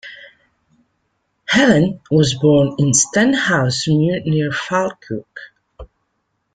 Helen was born in Stenhousemuir, near Falkirk.